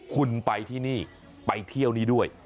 คุณไปที่นี่ไปเที่ยวนี้ด้วย